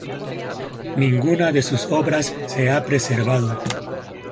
Ninguna de sus obras se ha preservado.